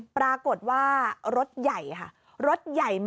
ปรากฏว่ารถใหญ่